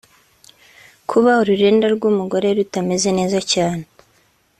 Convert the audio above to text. Kuba ururenda rw’umugore rutameze neza cyane